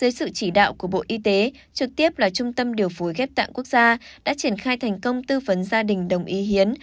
dưới sự chỉ đạo của bộ y tế trực tiếp là trung tâm điều phối ghép tạng quốc gia đã triển khai thành công tư vấn gia đình đồng ý hiến